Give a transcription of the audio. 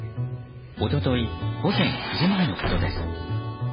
一昨日午前９時前のことです。